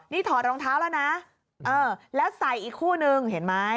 นี่ถอดรองเท้าแล้วนะเออแล้วใส่อีกคู่นึงเห็นไหม